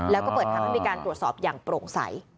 แล้วก็เปิดทางให้มีการตรวจสอบอย่างโปร่งใส